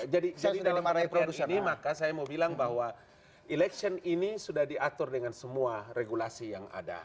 jadi dari pandemi ini maka saya mau bilang bahwa election ini sudah diatur dengan semua regulasi yang ada